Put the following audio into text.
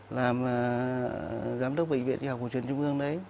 làm giám đốc bệnh viện y học cổ truyền trung ương đấy